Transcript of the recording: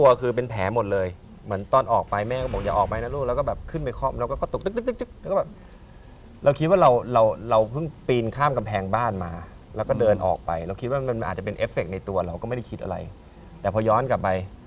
ไว้ให้คนดูว่ามันมีอะไรอย่างนี้นะครับ